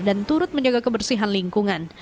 dan turut menjaga kebersihan lingkungan